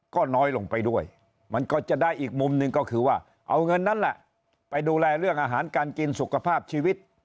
ก็น้อยลงไปด้วยมันก็จะได้อีกมุมหนึ่งก็คือว่าเอาเงินนั้นแหละไปดูแลเรื่องอาหารการกินสุขภาพชีวิต